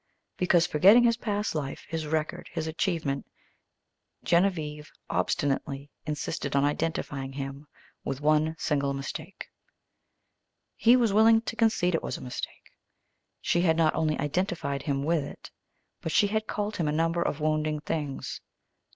Because, forgetting his past life, his record, his achievement, Genevieve obstinately insisted on identifying him with one single mistake. He was willing to concede it was a mistake. She had not only identified him with it, but she had called him a number of wounding things.